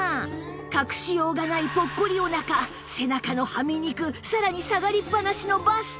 隠しようがないぽっこりお腹背中のはみ肉さらに下がりっぱなしのバスト